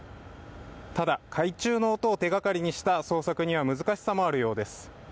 ただ、海中の音を手がかりにした捜索には難しさもあるようです。